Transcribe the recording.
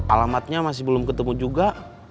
alamatnya masih belum ketemu juga